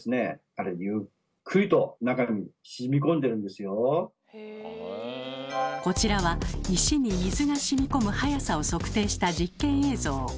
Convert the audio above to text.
あれこちらは石に水がしみこむ速さを測定した実験映像。